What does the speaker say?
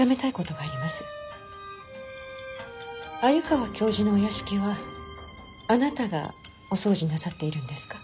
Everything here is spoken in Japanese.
鮎川教授のお屋敷はあなたがお掃除なさっているんですか？